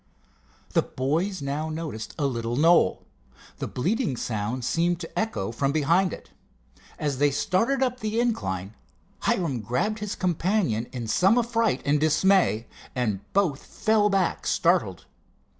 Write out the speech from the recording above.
The boys now noticed a little knoll. The bleating sounds seemed to echo from behind it. As they started up the incline, Hiram grabbed his companion in some affright and dismay, and both fell back startled.